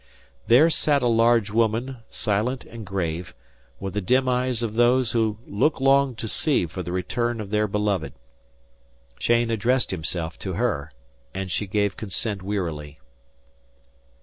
There sat a large woman, silent and grave, with the dim eyes of those who look long to sea for the return of their beloved. Cheyne addressed himself to her, and she gave consent wearily.